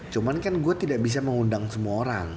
cuman kan gue tidak bisa mengundang semua orang